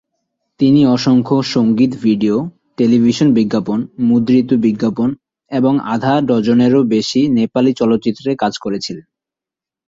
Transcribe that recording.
তিনি অসংখ্য সঙ্গীত-ভিডিও, টেলিভিশন বিজ্ঞাপন, মুদ্রিত বিজ্ঞাপন এবং আধা ডজনেরও বেশি নেপালি চলচ্চিত্রে কাজ করেছিলেন।